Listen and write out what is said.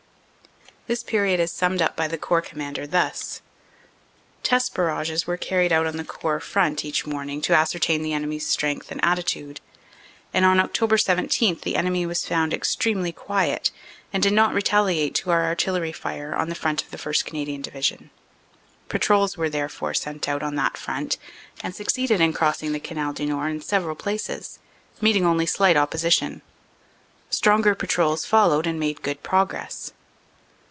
This period is summed up by the Corps Commander thus : "Test barrages were carried out on the Corps front each morning to ascertain the enemy s strength and attitude, and on Oct. 17 the enemy was found extremely quiet and did not retaliate to our Artillery fire on the front of the 1st. Canadian Division. Patrols were therefore sent out on that front and succeeded in crossing the Canal du Nord in several places, meeting only slight opposition. Stronger patrols followed and made good progress.